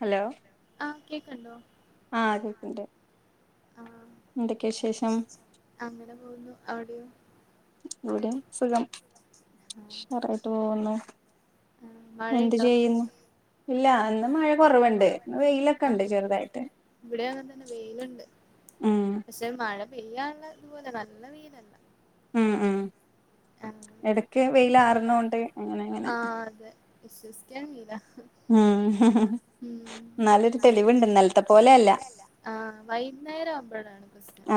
Hello. ആ കേക്ക്ണ്ടോ. ആ കേക്ക്ണ്ട് ആഹ് എന്തൊക്കെ വിശേഷം. അങ്ങനെ പോകുന്നു അവിടയോ. ഇവിടെയും സുഖം ആഹ് ഉഷറായിട്ട് പോകുന്നു. എന്ത് മഴയുണ്ടോ ചെയ്യുന്നു. ഇല്ല ഇന്ന് മഴ കൊറവ്ണ്ട് വെയിലൊക്കെ ണ്ട് ചെറുതായിട്ട്. ഇവിടെയും അങ്ങനെ തന്നെ വെയില്ണ്ട്. മ് പക്ഷെ മഴ പെയ്യാനുള്ളതുപോലെ നല്ല വേയ്ലല്ല. മ് മ് എടക്ക് വെയിലാറുന്നുണ്ട്. ആ അതെ വിശ്വസിക്കാൻ കഴീല. മ് പോലെയല്ല ആ വൈകുന്നേരം ആവുമ്പോയാണ്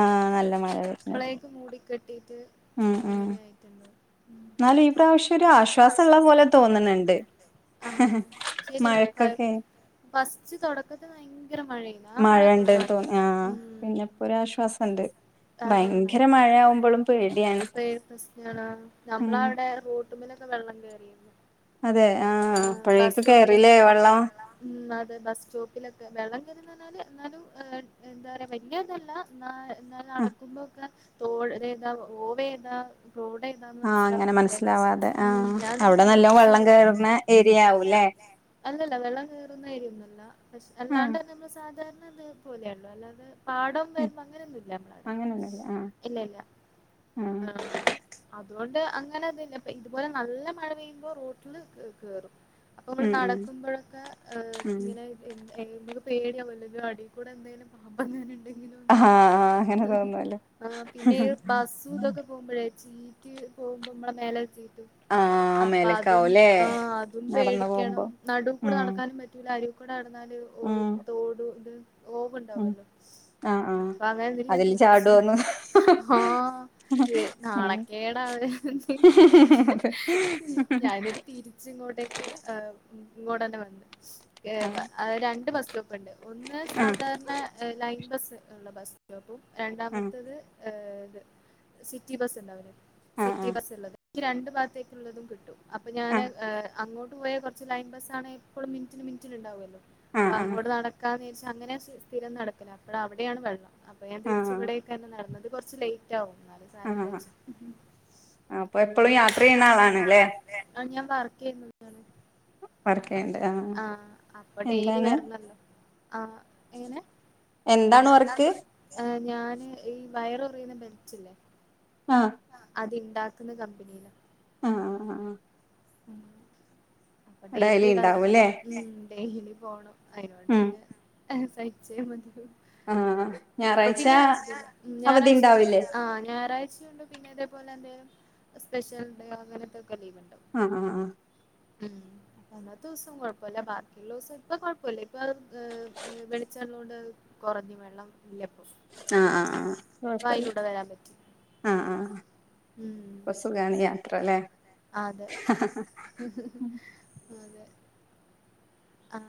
ആ നല്ല മഴ. [unintelligible] വരുന്നത് ളേക്ക മൂടി കെട്ടീട്ട് അങ്ങനെ ആയിട്ട്ണ്ട്. ന്നാലും ഈ പ്രാവശ്യം ഒരു ആശ്വാസം ള്ള പോലെ തോന്ന്ണ് ണ്ട്. ആ [unintelligible] ഫസ്റ്റ് തുടക്കത്തി ഭയങ്കര മഴേനി മഴ ണ്ട്ന്ന് തോന്നി ആ പിന്നെപ്പോ ഒരാശ്വാസണ്ട് അതാണ് പേടിയാണ് [unintelligible] പ്രശ്നള നമ്മള ഉം അവിടെ റോ റോട്ടുമ്മൽ ഒക്കെ വെള്ളം കേറി അതെ ആഹ് ആ ബസ്സ് അപ്പഴേക്ക് സ്റ്റോപ്പിൽ കേറില്ലേ കേറി ലെ വെള്ളം ഉം അതേ ബസ് സ്റ്റോപ്പിലൊക്കെ വെള്ളം പറഞ്ഞാല് എന്നാലും എന്താ പറയാ വല്ല്യ ഇതല്ല. ന്നാ ന്നാ ആഹ് നടക്കുമ്പൊക്കെ തോട് ഏതാ ഓവേതാ റോഡേതാ ന്ത ആഹ് അങ്ങനെ മനസ്സിലാവ്ന്നില്ലേ മനസ്സിലാവാതെ മ് ആഹ് ഞാൻ ന്ന്ട്ട് അവിടെ നല്ലോ വെള്ളം തിരിച്ച്. കേറുന്ന ഏരിയ ആവൂല്ലേ അല്ലല്ല വെള്ളം കേറുന്ന ഏരിയ ഒന്നുല്ല പക്ഷ ആഹ് അല്ലാണ്ട് നമ്മള് സാധാരണ ഇതേ പോലെയ്ള്ളു അല്ലാതെ പാടം ഉം വര്മ്പ് അങ്ങനൊന്നും ഇല്ല നമ്മളവിടെ. അങ്ങനൊന്നുല്ല ആഹ് [unintelligible] ആഹ് ആ. അതുകൊണ്ട് അങ്ങനെ ഇത് ല്ല ഇതുപോലെ നല്ല മഴ പെയ്യുമ്പോ റോട്ടില് കേറും. അപ്പൊ നമ്മള് ഉം ഉം നടക്കുമ്പോഴൊക്കെ ആ ഉം ങ്ങനെ. എൻമ്പത് പേടിയാവല്ലോ ഇത് അടിയിൽ കൂടെ ന്തേലും പാമ്പ് എങ്ങാനും ണ്ടെങ്കിലോ ആഹ് ആഹ് അങ്ങനെ തോന്നുവല്ലോ ന്ന്ള്ള പിന്നെ ബസ്സു ഇതൊക്കെ. പോകുമ്പഴേ ചീറ്റ് പോകുമ്പോ നമ്മളെ മേലെക്കെ ചീറ്റും. ആഹ് അപ്പൊ അതും മേലക്കാവൂല്ലേ ആ അതും നടന്നു പോകുമ്പോ പേടിക്കണം നടു. കൂടെ ഉം നടക്കാനും പറ്റ റ്റൂല അടീ കൂടെ നടന്നാല് ഉം തോടും ത്. ഓവ് ഉം ണ്ടാവല്ലോ ആഹ് ആഹ് അപ്പൊ അങ്ങനെ ന്തേലും അതില് തിരിച്ച് ചാടോന്ന് ആ. ഉം നാണക്കേടാവ്ണെ അതെ ഞാനൊരു തിരി ങ്ങോട്ടേക്ക് ങ്ങോട്ടെന്നെ വന്ന് ഏ രണ്ട് ബസ്റ്റോപ്പ്. ണ്ട് ഒന്ന് ആഹ് സാധാരണ ലൈൻ ബസ് ള്ള ബസ് സ്റ്റോപ്പും ആഹ് രണ്ടാമത്തത്. ഏ ത് സിറ്റി ബസ് ണ്ടാവുല്ലേ ആഹ് സിറ്റി ബസ്സ് ള്ളത് എനിക്ക് രണ്ട് ഭാഗത്തേക്ക്ള്ളതും കിട്ടും. അപ്പൊ ഞാൻ ആഹ് അങ്ങോട്ട് പോയ കുറച്ച് ലൈൻ ബസ് ആണേ എപ്പളും മിനിറ്റിന് മിനിറ്റിന് ഉണ്ടാവുമല്ലോ. ആഹ് അപ്പൊ ആഹ് അങ്ങോട്ട് നടക്കാന്ന് വച്ചാ അങ്ങനെ സ്ഥിരം നടക്കല അപ്പടെ അവിടെയാണ് വെള്ളം. അപ്പൊ ഞാൻ ആഹ് തിരിച്ച ആഹ് ഇവിടേക്ക് തന്നെ നടന്നത് കുറച്ച് ലേറ്റ് ആകും എന്നാല്. ആഹ് ആഹ് സാരല്ലച്ച അഹ് അപ്പൊ എപ്പളും യാത്ര ചെയ്യുന്ന എപ്പളുംയാത്ര ചെയ്യണ ല്ലേ ആളാണ്. [unintelligible] ആഹ് ഞാൻ വർക്ക് ചെയ്യുന്നാണ് വർക്ക് ചെയ്യണ്ട് അഹ് ആഹ് അപ്പൊ ഡെയിലി വരണല്ലോ ആഹ് എങ്ങനെ എന്താണ് വർക്ക് [inaudible] ഞാന് ഈ വയറ് കുറയുന്ന ബെൽറ്റില്ലേ ആഹ് അത് ഇണ്ടാക്കുന്ന കമ്പനിൽ ആഹ് അഹ് അഹ് ഉം അപ്പൊ ഡെയ്ലി ഡെയിലി ഉണ്ടാവുംല്ലേ [inaudible] ഉം ഡെയിലി ലി പോണം അതിനൊണ്ട് ഉം പിന്നെ സഹിച്ചേ മതിയാകൂ ആഹ് അപ്പോ പിന്നെ ഞായറാഴ്ചണ്ട് അവധി ഉണ്ടാവില്ലേ ഉണ്ട അഹ് ഞായറാഴ്ചയണ്ട് പിന്നെ ഇതേപോലെ തന്നെ സ്പെഷ്യൽ ഡേ അങ്ങനത്തെക്കെ ലീവ് ഉണ്ടാവും ആഹ് ആഹ് ഉം അന്നത്തെ ദിവസം കുഴപ്പമല്ല ബാക്കിയുള്ള ദിവസം ഇപ്പൊ കൊഴപ്പമില്ല ഇപ്പൊ വെളിച്ചള്ളൊണ്ട് കുറഞ്ഞ് വെള്ളം ഇല്ലപ്പോ ആഹ് ആഹ് അഹ് കുഴപ്പല്ല പറ്റി ആഹ് ആഹ് ഉം [unintelligible] സുഖാണ് യാത്ര അല്ലേ അതെ ഉം അതെ ആ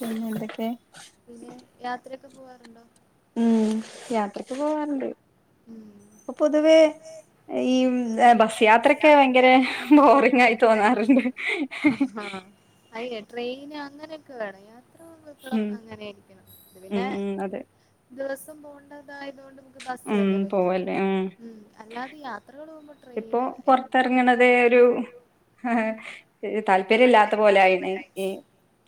പിന്നെ എന്തൊക്കെ പിന്നെ യാത്രയൊക്കെ പോവാറുണ്ടോ ഉം യാത്രക്കേ പോവാറുണ്ട് ഉം ഇപ്പൊ പൊതുവേ ഈ ബസ് യാത്രക്കെ ഭയങ്കര ബോറിംഗ് ആയി തോന്നാറുണ്ട് അയേ ട്രെയിന് അങ്ങനെയൊക്കെ വേണം യാത്ര പോവുമ്പോ ഉം അങ്ങനൊയക്കയ അത് ഉം പിന്നെ ഉം അതെ ദിവസം പോകണ്ടതായതൊണ്ട് നമുക്ക് ബസ്- ഉം പറ്റൂ പോവല്ലേ ഉം അല്ലാതെ ഈ യാത്രകൾ പോവുമ്പോ- ഇപ്പോ പുറത്തിറങ്ങണത് ഒരു- താല്പര്യ ഇല്ലാത്ത പോലായിണ് ഈ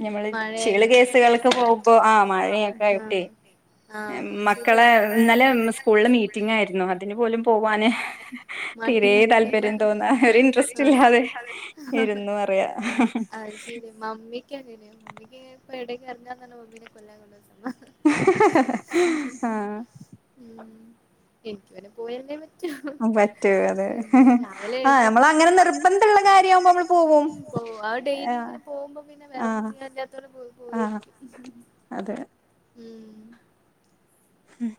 ഞമ്മള് ചീള് മഴയായതുകൊണ്ട് കേസുകള്ക്ക്‌ പോകുമ്പോ ആഹ് മഴയൊക്കെ ആയിട്ടെ ആഹ് ശരിയാ മക്കളെ ഇന്നലെ സ്കൂൾ മീറ്റിങ്ങ് ആയിരുന്നു അതിന് പോലും പോകാന് തീരെ താല്പര്യം തോന്നാ ഒരു ഇൻട്രസ്റ്റ് ഇല്ലാതെ ഇരുന്നു പറയാ അത് ശരി മമ്മിക്ക് അങ്ങനെ മമ്മിക്ക് ഇപ്പ ഏ ടയ്ക്ക് എറങ്ങാന്ന് പറഞ്ഞ മമ്മിനെ കൊല്ലാൻ കൊണ്ടോന്ന സമാ ആ ആഹ് ഉം എനിക്ക് പിന്നെ പോയല്ലെ പറ്റു [unintelligible] പറ്റൂ അതെ പറ്റു രാവിലെ ആ നമ്മള് എഴുന്നേക്കങ്ങന അങ്ങനെ മ്മള് അങ്ങന നിർബന്ധമുള്ള നിർബ്ന്ധ ഉള്ള കാര്യമാകുമ്പോ നമ്മള് കാര്യം പോവും ആവുമ്പോ [unintelligible] പോ ആ ഡെയിലി ഇങ്ങനെ പോകുമ്പോ പിന്നെ ആ വേറെന്ന് ചെയ്യല്ലാത്തവലെ പോലേ ആ പോയിരിക്കും അതെ ഉം ഉം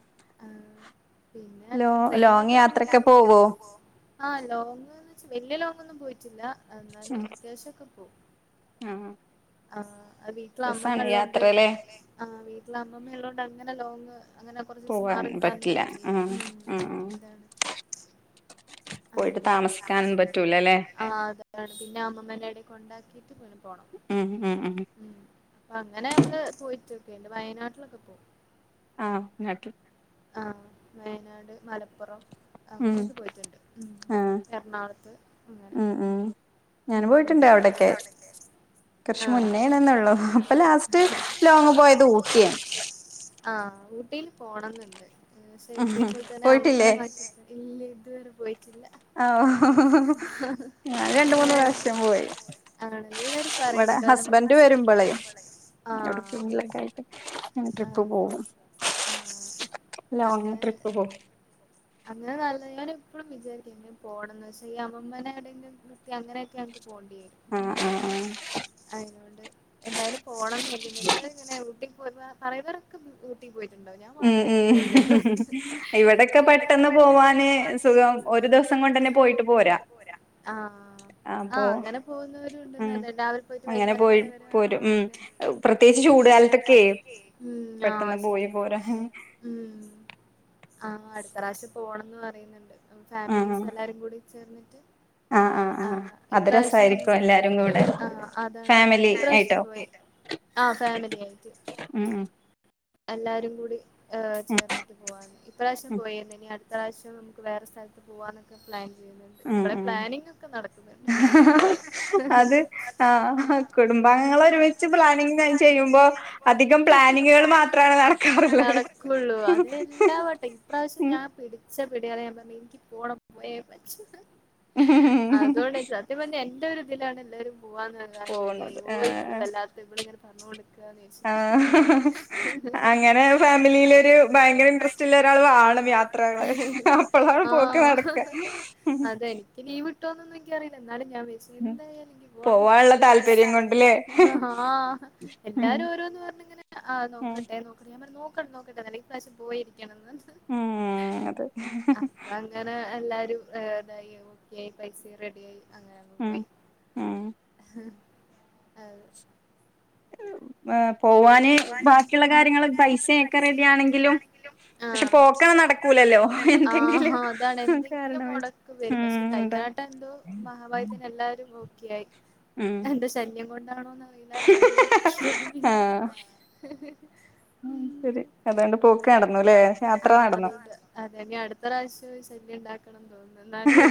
ആഹ് പിന്നെ ലോങ് ട്രെയിനിലൊക്കെ യാത്രൊക്കെ യാത്ര പോവോ ആഹ് ലോങ്ന്ന് വ വല്ല്യ ലോങ് ഒന്നും പോയിട്ടില്ല എന്നാലും ഉം അത്യാവശ്യക്കെ പോവും ആഹ് ആഹ് വീട്ടില് അമ്മമ്മ രസാണ് ഉള്ളോണ്ട് യാത്രല്ലേ ആഹ് വീട്ടിൽ അമ്മമ്മ ഉള്ളതോണ്ട് അങ്ങനെ ലോങ്ങ് അങ്ങനെ കുറച്ച് ദിവസം പോവാൻ മാറിക്കാനും പറ്റില്ല ആഹ് ഉം ആഹ് ആഹ് അതാണ് പോയിട്ട് താമസിക്കാനും പറ്റൂലല്ലേ ആ അതാണ് പിന്നെ അമ്മമ്മ നേണങ്കി കൊണ്ടാക്കിയിട്ട് പിന്നെ പോണം ഉം ഉം ഉം ഉം അങ്ങനെ നമ്മള് പോയിട്ടോക്കെ എന്റെ വയനാട്ടിലൊക്കെ പോ ആഹ് [unintelligible] ആഹ് വയനാട് മലപ്പുറം ഉം അങ്ങനെയൊക്കെ പോയിറ്റ്ണ്ട് ആഹ് എറണാകുളത്ത് അങ്ങനെ ഉം ഉം ഞാൻ ഇങ്ങനെ പോയിട്ടുണ്ട് അവിടൊക്കെ അവടെയെക്കെ കുറച്ച് ആഹ് മുന്നേണെന്നൊള്ളൂ അപ്പൊ ലാസ്റ്റ് ലോങ് ലോങ്ങ് പോയത് ഊട്ടിയാണ് ഊട്ടി ഊട്ടി ആഹ് ഊട്ടിൽ പോണംന്നുണ്ട് പക്ഷെ ഉം ഇതേപോലെ തന്നെ അമ്മുമ്മനെ പോയിട്ടില്ലേ ഇല്ല ഇതുവരെ പോയിട്ടില്ല ഞാൻ രണ്ട് ഇങ്ങ മൂന്ന് പ്രാവശ്യം പോയി ആണ് എല്ലാരും ഇവിടെ പറയുന്നേക്കാ ഹസ്ബൻഡ് വരുമ്പോളേ ആഹ് എവിടെക്കെങ്കിലക്കെ ആയിട്ട് ട്രിപ്പ് അതെ പോവും ആഹ് ലോങ്ങ് അങ്ങനെ ട്രിപ്പ് പോവും അങ്ങനെ നല്ലത് ഞാൻ എപ്പോഴും വിചാരിക്ക എങ്ങനെ പോണംന്ന് പക്ഷേഈ അമ്മമനെ എവിടെങ്കി എവിടെെങ്കിലും നിർത്തി അങ്ങനെയൊക്കെ ആഹ് പോണ്ട്യരും ആഹ് ആഹ് അയ്‌നോണ്ട് എന്തയാലും പോണംന്ന് [unintelligible] അങ്ങനെ ഊട്ടി പോയ അറിയുന്നവരൊക്കെത ഊട്ടിൽ പോയിട്ടുണ്ടാവും ഞാൻ മാത്രേ പോവാതെള്ളു ഇവിടെൊക്കെ പെട്ടെന്ന് പോവാന് സുഖം ഒരു ദിവസം കൊണ്ടന്നെ പോയിട്ട് പോരാ ആഹ്ആ അപ്പൊ അങ്ങനെ ഉം പോകുന്നവരുണ്ടെന്ന് രാവിലെ പോയിട്ട് അങ്ങനെ വൈന്നാരം പോയി വരെ വരാ ആ പോരും ഉം അതെ പ്രത്യേകിച്ച് ചൂടുകാലത്തൊക്കെ ഉം ആ പെട്ടെന്ന് പോയി ശരിയ പോരാ ഉം ആ അടുത്ത പ്രാവശ്യം പോണംന്ന് പറയുന്നുണ്ട് ആഹ് ഫാമിലീസ് എല്ലാരും കൂടി ചേർന്നിട്ട് ആഹ് ആഹ് ആ ആഹ് അത് ഇപ്രാവശ്യം രസായിരിക്കും എല്ലാരും കൂടെ ആ അതാണ് ഫാമിലി ഇപ്രാവശ്യം ആയിട്ടോ പോയി ആ ഫാമിലി ആയിട്ട് ഉം ഉം എല്ലാരും കൂടി ഏ് ചേർന്നിട്ട് പോവാൻ ഇപ്രാവശ്യം ഉം ഉം പോയിരുന്നു ഇനി അടു പ്രാവശ്യം വേറെ സ്ഥലത്ത് പോവാനൊക്കെ പ്ലാൻ ചെയ്യുന്നുണ്ട് ഇപ്പളെ ഉം ഉം പ്ലാനിങ് ഒക്കെ നടക്കുന്നുണ്ട് അത് അതെ ആഹ് ആ കുടുംബാംഗങ്ങൾ കുടുംബങ്ങൾ ഒരുമിച്ച് ഒരു വെച്ച് പ്ലാനിങ് പ്ലാനിംഗ് ചെയ്യുമ്പോ അധികം പ്ലാനിങ്ങുകൾ പ്ലാനിങ് കുട്ട്യാള് മാത്രാണ് മാത്രാണ നടക്കാറുള്ളത് നടക്കുള്ളൂ അതെ എല്ലാം വട്ടെ ഇപ്രാവശ്യം ഞാൻ പിടിച്ച പിടിയാലേ ഞാൻ പറഞ്ഞു എനിക്ക് പോണം പോയേ പറ്റൂ അതോണ്ട് എൻ്റെ ഒരു ഇതിലാണ് എല്ലാരും പോവ പോവുന്നത് [unintelligible] ഇവൾ ആഹ് വല്ലാത്ത ഇവ. ള് ഇങ്ങനെ പറഞ്ഞോണ്ട് നിക്കും ആഹ് [unintelligible] അങ്ങനെ ഫാമിലിയിലൊരു ഫാമിലി ലൊരു ഇൻട്രസ്റ്റ് ഭയങ്കര ഉള്ള [unintelligible] ള്ള ഒരാൾ വാണം യാത്രകള് വാണം അപ്പളാണ് പോക്ക് നടക്ക ആ അതെനിക്ക് ലീവ് വിട്ടോന്നൊന്നും എനിക്ക അറിയില്ല എന്നാലും ഞാൻ വരു എന്തയാലും നിക്ക് പോണം പോവാനുള്ള പോകാനുള്ള താല്പര്യം കൊണ്ട്ല്ലേ താല്പര്യം ആ ഉം എല്ലാരും ഓരോന്ന് പറഞ്ഞ ഇങ്ങനെ ആണോ ഉം നോക്ക നോക്കട്ടെല്ല ഇപ്രാവശ്യം പോയിരിക്കണന്ന് ഉം അതെ അങ്ങനെ എല്ലാരുംതായി ഓക്കെയി പൈസ റെഡിയായി അങ്ങനെ അങ്ങ് ഉം പോയി ഉം ഉം അത് പോവാന് ബാക്കിയുള്ള കാര്യങ്ങള് പൈസയൊക്കെ റെഡി ആണെങ്കിലും ആഹ് പക്ഷെ പോക് നടക്കൂലല്ലോ ആഹ് അതാണ് എന്തെങ്കിലും കാരണം വെച്ച് മുടക്കം വരും പക്ഷെ ഉം കഴിഞ്ഞ ഉണ്ടാവും ട്ട എന്തോ മഹാഭാഗ്യത്തിന് എല്ലാരും ഓക്ക ആയി ഉം എന്റെ ശല്യം കൊണ്ടാണോന്നറിയില്ല എല്ലരും ഒക്കെയായി അഹ് ഉ [unintelligible] ഉം ശരി അതോണ്ട് പോക്ക് നടന്നുലെ യാത്ര നടന്നു അതെന്നെ അടു ത്രറാശ്യം ശല്യം ഉണ്ടാക്കണം തോന്നുന്നു എന്നാല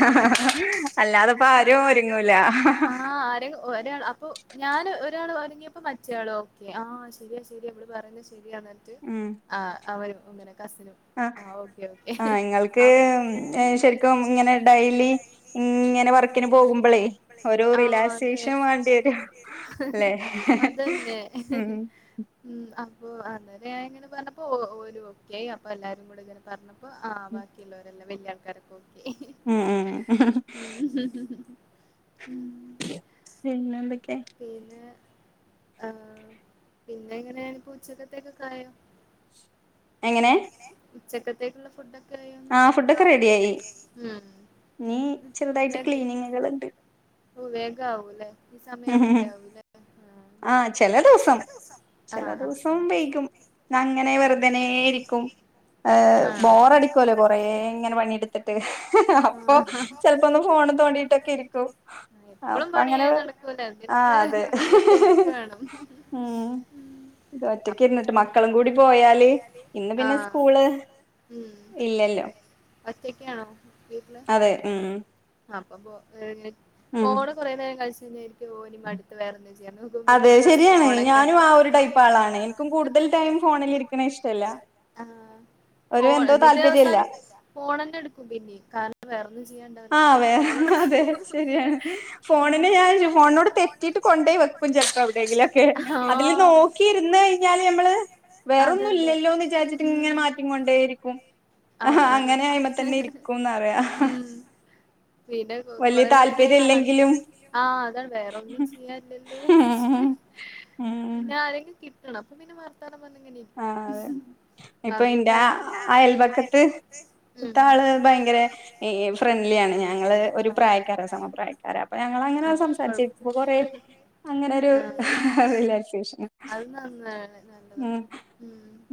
അല്ലാതെപ്പോ അല്ലാതെ ഇപ്പൊ ആരും ആദ്യം ഒരുങ്ങൂല ആഹ് രെ ഒരാൾ അപ്പൊ ഞാന് ഒരാൾ ഒരുങ്ങിയപ്പോ മറ്റയാൾ ഓക്കെ ആഹ് ശരിയാ ശരി ഇവള് പറയുന്നത് ശരിയാന്നർഞ്ഞിട്ട് ഉം ആ അവരും അങ്ങനെ കസിനും ആ ആഹ് ഓക്കെ ആ ഓക്കെ നിങ്ങൾക്ക് അവക്ക് ഉം ഇങ്ങനെ ശരിക്കും ഡെയ്ലി ഇങ്ങനെണ്ടായി ഉം ഇങ്ങനെ വർക്കിന് ഇങ്ങനെ വർക്കിനു പോകുമ്പളേ പോകുമ്പോളെ ഒരു ആഹ് റിലാക്സേഷൻ വേണ്ടി വരും അതെ അല്ലെ അതെന്നെ ഉം ഉം അപ്പൊ അന്നേരം ഞാഇങ്ങനെ പറഞ്ഞപ്പോ ഓലു ഓക്കെയി അപ്പൊ എല്ലാരും കൂടെ ഇങ്ങനെ പറഞ്ഞ പ്പ ആഹ് ബാക്കിയുള്ളോരെല്ലാം വല്യ ആൾക്കാരൊക്കെ ഓക്കെയി ഉം ഉം ഉം പിന്നെന്തക്കെ പിന്നെ ആഹ് പിന്നെ എങ്ങനേണ്പ്പൊ ഉച്ചക്കത്തേക്കൊകായോ എങ്ങനെ ഉച്ചക്കത്തേക്കുള്ള ഫുഡൊക്കെ ആയോന്ന് ആ ഫുടൊക്കെ റെഡിയായി ഉം നീ ചെറുതായിട്ട് ക്ലീനിങ്ങുകള്ണ്ട് ഓഹ് വേഗ ആവുലെ ഈ സമയാവുമ്പത്തെ ആവുലേ ആഹ് ചെല ദിവസം ചെല ആഹ് ആഹ് ദിവസം ആഹ് വൈകും അങ്ങനെ വെറുതനെയിരിക്കും ബോറടിക്കല്ലോ കൊറേ ഇങ്ങനെ പണിയെടുത്തിട്ട് അപ്പൊ ചെൽപ്പോന്ന് ഫോൺ തോണ്ടിട്ട ട്ടൊക്കെ ഇരിക്കും അപ്പൊ അങ്ങനെ വെർ ലൊക്കെ എന്റർടൈമെന്റ് വേണം ഉം ഇത് ഒറ്റക്ക് അപ്പൊ ഇരുന്നിട്ട് ഫോണ് മക്കളും കൂടി മക്കളുംകൂടി പോയാല് ഇന്ന് പിന്നെ ആഹ് സ്കൂള് ഉം ഇല്ലല്ലോ ഒറ്റക്കാണോ വീട്ടില് അതെ അപ്പ ബോ നെറ്റ് ഉം ഫോണ് കുറേ നേരം കളിച്ചുങ്ങയിരിക്കും ഓ ഞ്ഞി മടുത്ത് വേറെന്തേ ചെയ്യാനോക്കും അതെ പിന്നീട് ശരിയാണ് ഫോണക്കെ ഞാനും ആ ഒരു ടൈപ്പ് ആളാണ് എനിക്കും കൂടുതൽ ആളാണ് ടൈം ഫോണിലിരിക്കണ ഇഷ്ടല്ല ആഹ് ഒരു ഫോൺ എന്തോ എന്നിട്ട് താല്പര്യല്ല അവസാനം ഫോണന്നെ എടുക്കും പിന്നെ കാരണം വേറൊന്നും ചെയ്യാണ്ടാവില്ല അപ്പൊ ആഹ് പിന്നേം വേറെ ഫോണെടുക്കും അതെ ശരിയാണ് ഉം ഫോണിനെ ഞാൻ ഫോണിനോട് തെ റ്റീട്ട് കൊണ്ടയ് വെക്കും ചേൽപ്പം എവിടെയെങ്കിലൊക്കെ അതില് ആഹ് നോക്കി ഇരുന്ന് കഴിഞ്ഞാൽ നമ്മള് അതെ വേറൊന്നും അതെ ഇല്ലല്ലോന്ന് വിചാരിച്ചിട്ട് ഇങ്ങനെ ഉം മാറ്റി കൊണ്ടേരിക്കും അതാണ് പറയാ ഉം പിന്നെ വലിയ കൊറെേ നേരം താല്പര്യം കഴിഞ് ഇല്ലെങ്കിലും ആഹ് അതാണ് വേറൊന്നും ചെയ്യാൻല്ലല്ലോന്ന് വിചാരിചിട്ട് ഉം ഉം പിന്നെ ആരെങ്കെ കി ട്ടണം അപ്പ പിന്നെ വർത്താനം പറഞ്ഞിങ്ങനെ ആഹ് അതെ ഇപ്പൊ ഇന്റെ അതുണ്ടാവില്ല ഉം ഉം ആള് ഭയങ്കര ഫ്രണ്ട്ലി ആണ് ഞങ്ങള് ഒരു ആഹ് പ്രായക്കാര സമപ്രായ അപ്പൊ ഞങ്ങ അങ്ങനെ ആഹ് അപ്പൊ സംസാരിച്ചേ കൊഴപ്പ ഇപ്പൊ കൊറ അങ്ങനെരു ആഹ് റിലേക്സേഷൻ അത് നന്നായിന്നെ ഉം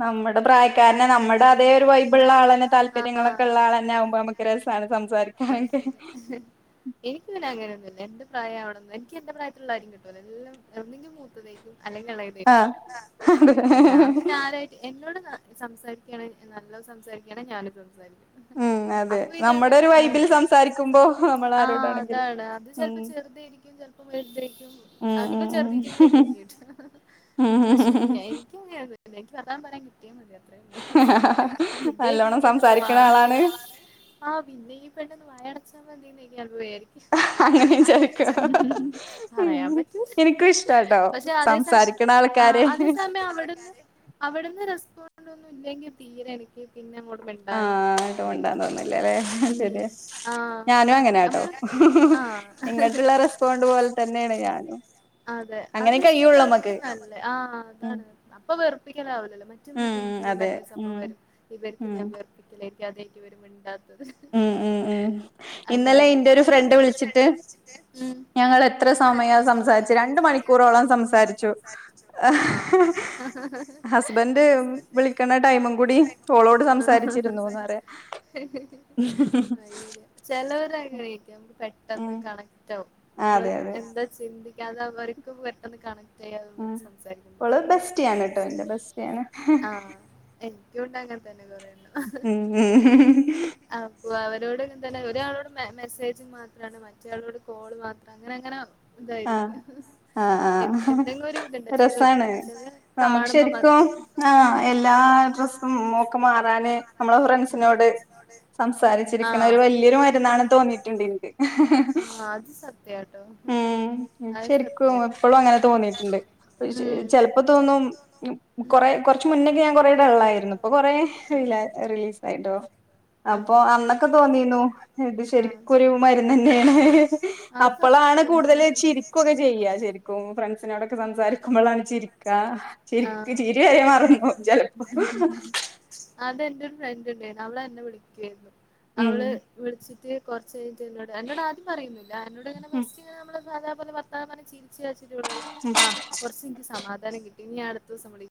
നമ്മുടെ പ്രായക്കാരനെ നമ്മുടെ അതേ ഒരു വൈ ബു ഉള്ള ആള തന്നെ താല്പര്യങ്ങളൊക്കെ ഉള്ള ആൾ തന്നെ ആകുമ്പോക്ക് രസമാണ് സംസാരിക്കുന്നത് അയ് ശരി എനിക്ക് പിന്നെ അങ്ങനെയൊന്നുമില്ല എന്റെ പ്രായം അവിടെന്ന് എനി എന്റെ പ്രായുള്ള കാര്യം കിട്ടല്ല എല്ലാം എന്നെങ്കും മൂത്തേക്കും അല്ലെങ്കി എളത് ആഹ് അതെ ഞാൻ പിന്നെ ആരെ എന്നോട് സംസാരിക്കുകാണ്ങ്ക നല്ല സംസാരിക്കുകയാണ് ഞാനും സംസാരിക്കും ഉം അതെ അപ്പൊ പിന്നെ നമ്മുടെ അങ്ങനെ ഒരു വൈബിൽ സംസാരിക്കുമ്പോ നമ്മൾ ആഹ് ആരോടാണെങ്കിലും അതാണ് അത് ഉം ചലപ്പോ ചെറുതായിരിക്കും ചലപ്പോ വലുതയിരിക്കും ഉം അതിപ്പോ ഉം ഉം ചെറുതീട്ടങ്ങളായിരിക്കു എനിക്ക് കിട്ട പക്ഷെ ഉം ഇല്ലെ നിക്ക് അങ്ങനെ ഒന്നും ഇല്ല വർത്താന് പറയാൻ കിട്ടിയ മതിയാർന്നു നല്ലോണം പിന്നെക്കിപ്പണ്ട വ സംസാരിക്കണ ആളാണ് ആഹ് പിന്നെഈ പെണ്ണൊന്ന് വയ അടച്ചാൻ മതീന്ന് അത് വിജാരിക്കും അങ്ങനെ വിചാരിക്ക ഉം പറയാൻ പറ്റൂല എനിക്കും ഇഷ്ടാട്ടോ പക്ഷെഒരു സം സംസാരിക്കണ ആഹ് അതേ ആൾക്കാരെ സമയം അവിടുന്ന് അവിടുന്ന് റെസ്പോണ്ട് ഒന്നും ഇല്ലെങ്കിൽ തീരെ എ - പിന്നെ അങ്ങോട് മിണ്ടാനും ഇതായിരിക്കും ഇല്ലാ ലേ ശരിയ ഉം ആഹ് ഞാനും അതെ അങ്ങനാട്ടോ നമ്മള് ആഹ് ഇങ്ങട്ടുള്ള റെസ് പോണ്ട പോലെ തന്നെയാണ് ഞാനും അങ്ങനെ കഴിയുള്ളൂ നമ്മക്ക് അതെഅത്ശരിക്ക്ആയ്കൊക്കെനല്ല് ഉം ‌ആഅതാണ്അപ്പൊ വെറുപ്പിക്കൽ ആ വില്ലല്ലോ ഉം അതെ ഉം മറ്റമ്മക്ക്‌എനിക്ക്‌മറ്റെരുസംഭവയിര്ന്ന് ഉം ഇവര്ക്ക്‌ഞാൻവെർപ്പിക്കല്ലേര്ക്കും അതേര്ക്കുംഇവര്മിണ്ടാത്തത് ഉം ഉം ഉം ഇന്നലെഇന്റെരുഫ്രണ്ട് വിളിച്ചിട്ട് ഉം ഞങ്ങളെത്രസമയസംസാരി ച്ച് രണ്ട്മണിക്കൂറോളംസംസാരിച്ചു ഹസ്ബൻന്റ് വിളിക്കണടൈമുംകൂടിഓളോട് സംസാരിച്ചിരുന്നുന്ന്റയാ അയ്യോചിലവർആഗ്രഹിക്കുംനമ്മക്ക് ഉം പെട്ടെന്ന്കണക്ക്റ്റാവും അതെ അതെ നമ്മള്എന്താചിന്തിക്കാഅതവർക്കും പെട്ടെന്ന്കാണ ഉം സംസാരിക്കുന്നു ഓള് ബെസ്റ്റിയാണ് ട്ടോ എന്റെ ബെസ്റ്റിയാണ് ആഹ് എനിക്കുണ്ട് അങ്ങൻതന്നെകൊറേണ്ണം ഉം മ്മ് ഹ്ഹ അപ്പൊഅവരോട്ഇങ്ങതന്നെ ഒരാളോട്മെസ്സേജ്മാത്രണ് മറ്റളോട്കോള്മാത്രംഅങ്ങനെങ്ങനെ ആഹ് ഇതായിരിക്കും ആഹ് ആഹ് എൻന്ത്‌എന്തെങ്കരുഇതുണ്ട് ചില രസാണ് നമുക്ക് ശരിക്കും ചെലെകാണുമ്പോമാത്രം ആഹ് എല്ലാഡ്രസ്സുംമൊക്കെമാറാന് ഉം നമ്മളെഫ്രണ്ട്സിനോട് സം ആഹ് സാച്ചിരിക്കണഒരുവല്യയൊരു മരുന്നാണ്ന്നതോന്നിയിട്ടുണ്ട് ഇണ്ട് എനിക്ക് ആഹ് അത് സ ത്യാട്ടോ ഇന്ക്ശരിക്കുംഎപ്പളുംഅങ്ങനെ ഉം തോന്നീട്ടുണ്ട്ചെൽപ്പോതോന്നും കൊറെകൊറച്ച്മുന്നൊക്കെഞാൻ കൊറേടെള്ളായിരുന്നുഇപ്പൊകൊറേ റിലീസായിട്ടോ അപ്പൊഅന്നൊക്കെതോന്നീന്നുഇത് ശരിക്കൊരുമരന്ന്ന്നേണീ അപ്പോളാണ്കൂട്തല്ചിരിക്കൊക്കെ ചെയ്യശരിക്കുംഫ്രണ്ട്സിനോടൊക്കെ സംസാരിക്കുമ്പളാണ് ചിരിക്കാചിരിക്ക്ചിരിവരെമറന്നു പോവും ചിലപ്പോ അതെന്റെരുഫ്രണ്ട്ണ്ടായിരുന്നു ഉം അവളന്നെവിളിക്കായിരുന്നുഅവള് വിളിച്ചിട്ട്കൊറച്ച- എന്നൊട് അന്നോട് ആദ്യംപറയൊന്നില്ല എന്നോട്ങ്ങനെ ഫസ്റ്റ്ങ്ങനെ നമ്മള് സാധാപോലെ ഭർത്താനംപറഞ് ചിരിച്കളിച്ചിട്ട് ഇവള്പറിം ഉം ആഹ് കൊറച്ച്നിക്ക് സമാധാനംകിട്ടി ഇനി അടുത്ത ദിവസംവിളി